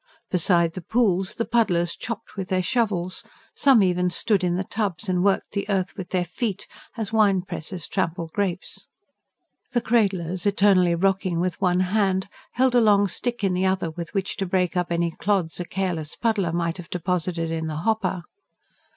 Beside the pools, the puddlers chopped with their shovels; some even stood in the tubs, and worked the earth with their feet, as wine pressers trample grapes. The cradlers, eternally rocking with one hand, held a long stick in the other with which to break up any clods a careless puddler might have deposited in the hopper.